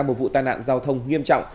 một vụ tai nạn giao thông nghiêm trọng